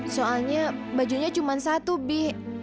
soalnya bajunya cuma satu bi